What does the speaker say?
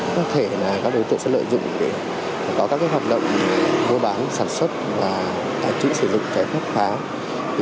có thể các đối tượng sẽ lợi dụng để có các hoạt động mua bán sản xuất và tài trị sử dụng thẻ phát pháo